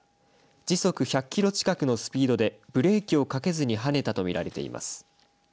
時速１００キロ近くのスピードでブレーキをかけずにはねたと見られています。